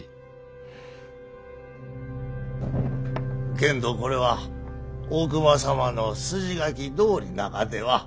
けんどこれは大隈様の筋書きどおりながでは？